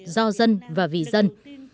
do dân và vì dân